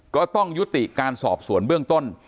ก็ต้องยุติการสอบสวนเบื้องต้น